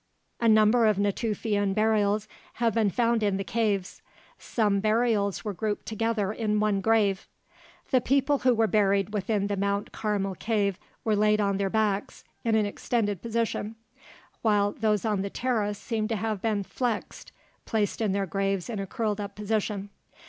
A number of Natufian burials have been found in the caves; some burials were grouped together in one grave. The people who were buried within the Mount Carmel cave were laid on their backs in an extended position, while those on the terrace seem to have been "flexed" (placed in their graves in a curled up position).